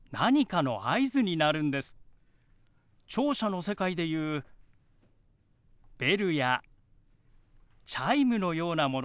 聴者の世界で言うベルやチャイムのようなものですかね。